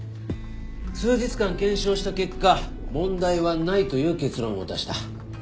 数日間検証した結果問題はないという結論を出した。